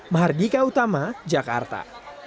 mahardika utama jakarta